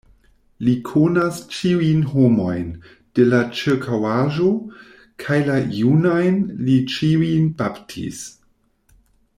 Li konas ĉiujn homojn de la ĉirkaŭaĵo kaj la junajn li ĉiujn baptis.